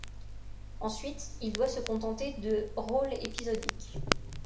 Ensuite il doit se contenter de rôles épisodiques.